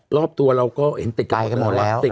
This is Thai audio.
รอบตัวเราก็เห็นติดเขาโตได้แล้ว